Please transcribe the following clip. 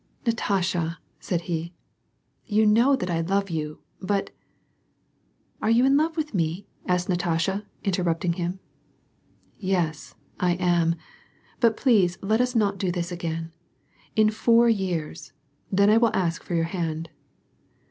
" Natasha," said he, " you know that I love you, but "— "Are you in love with me," asked Natasha, interrupting him. " Yes, I am, but please let us not do this again. — In four years, — then I will ask for your hand."